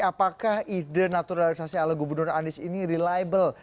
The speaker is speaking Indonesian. apakah ide naturalisasi ala gubernur anies ini reliable